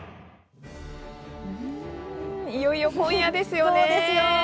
いよいよ今夜ですね。